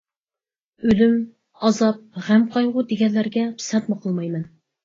ئۆلۈم، ئازاب، غەم-قايغۇ دېگەنلەرگە پىسەنتمۇ قىلمايمەن.